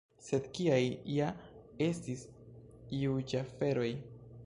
Sed kiaj ja estis juĝaferoj?!